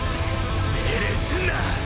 命令すんな！